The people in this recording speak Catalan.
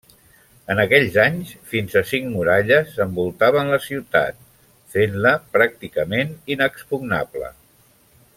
En aquells anys, fins a cinc muralles envoltaven la ciutat, fent-la pràcticament inexpugnable.